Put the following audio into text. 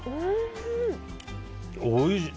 おいしい。